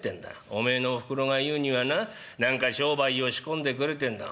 おめえのおふくろが言うにはな何か商売を仕込んでくれてんだ。